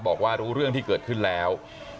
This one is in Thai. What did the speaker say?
บอกว่ารู้เรื่องที่เกิดขึ้นแล้ว